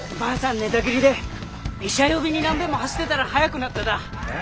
寝た切りで医者呼びに何べんも走ってたら速くなっただ。